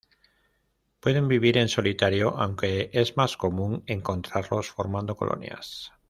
Pueden vivir en solitario aunque es más común encontrarlos formando colonias.